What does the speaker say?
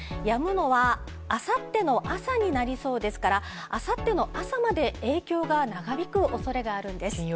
やむのは、あさっての朝になりそうですから、あさっての朝まで影響が長引くおそれがあるんです。